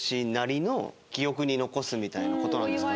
みたいな事なんですかね。